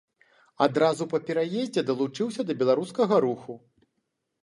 Адразу па пераездзе далучыўся да беларускага руху.